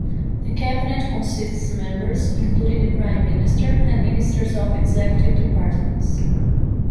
The cabinet consists members, including the Prime Minister and ministers of executive departments.